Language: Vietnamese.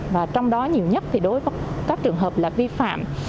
và trong đó nhiều nhất thì đối với các trường hợp là vi phạm